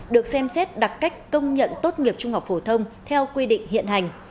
được xem xét đặc cách công nhận tốt nghiệp trung học phổ thông theo quy định hiện hành